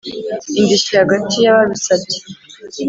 Indishyi hagati y ababisabye